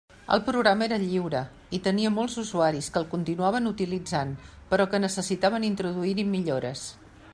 El programa era lliure, i tenia molts usuaris que el continuaven utilitzant, però que necessitaven introduir-hi millores.